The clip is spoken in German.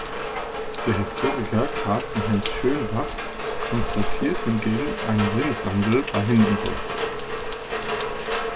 Der Historiker Karsten Heinz Schönbach konstatiert hingegen einen Sinneswandel bei Hindenburg.